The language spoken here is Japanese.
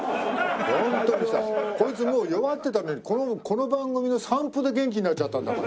ホントにさこいつもう弱ってたのにこの番組の散歩で元気になっちゃったんだから。